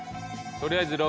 とりあえず６。